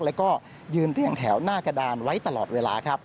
แล้วก็ยืนเรียงแถวหน้ากระดานไว้ตลอดเวลาครับ